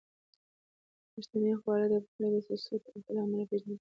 پښتني خواړه د پخلي د سستو طریقو له امله پیژندل کیږي.